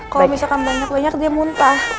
kalau misalkan banyak banyak dia muntah